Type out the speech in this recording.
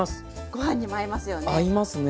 ご飯にも合いますよね。